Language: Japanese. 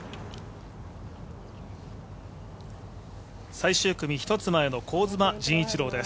最終組、１つ前の香妻陣一朗です。